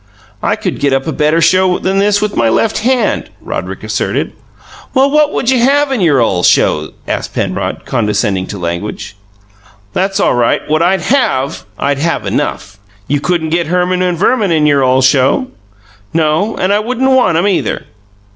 "I could get up a better show than this with my left hand," Roderick asserted. "Well, what would you have in your ole show?" asked Penrod, condescending to language. "That's all right, what I'd HAVE. I'd have enough!" "You couldn't get Herman and Verman in your ole show." "No, and I wouldn't want 'em, either!"